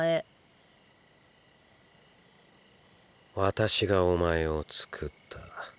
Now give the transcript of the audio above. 私がお前をつくった。